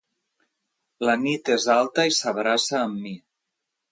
La nit és alta i s'abraça amb mi.